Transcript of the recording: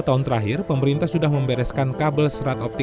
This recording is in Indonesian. atau bisa kita buat di kota saat sebenarnya tidak akan seperti sebelumnya